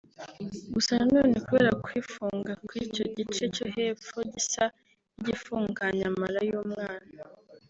Gusa nanone kubera kwifunga kw’icyo gice cyo hepfo gisa n’igifunganya amara y’umwana